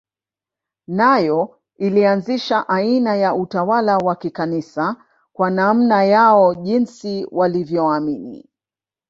Nayo ilianzisha aina ya utawala wa Kikanisa kwa namna yao jinsi walivyoamini